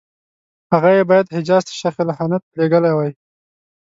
هغه یې باید حجاز ته شیخ الهند ته لېږلي وای.